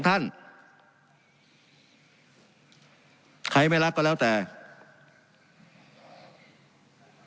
การปรับปรุงทางพื้นฐานสนามบิน